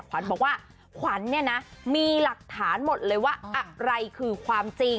ขวัญบอกว่าขวัญเนี่ยนะมีหลักฐานหมดเลยว่าอะไรคือความจริง